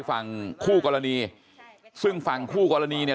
ฝั่งคู่กรณีซึ่งฝั่งคู่กรณีเนี่ย